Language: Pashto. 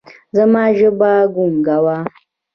زما ژبه ګونګه وه ـ